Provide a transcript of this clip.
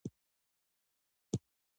د بنګو کښت منع دی